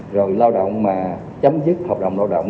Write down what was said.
rồi lao động mà chấm dứt hợp đồng lao động